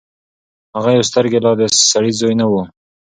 هغه يو سترګې لا د سړي زوی نه وو.